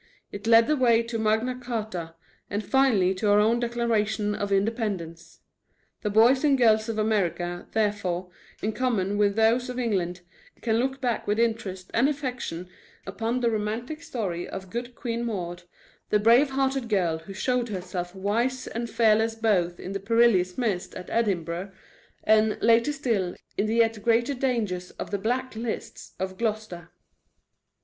It led the way to Magna Charta, and finally to our own Declaration of Independence. The boys and girls of America, therefore, in common with those of England, can look back with interest and affection upon the romantic story of "Good Queen Maud," the brave hearted girl who showed herself wise and fearless both in the perilous mist at Edinburgh, and, later still, in the yet greater dangers of "the black lists of Gloucester."